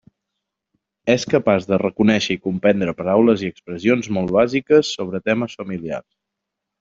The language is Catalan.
És capaç de reconéixer i comprendre paraules i expressions molt bàsiques sobre temes familiars.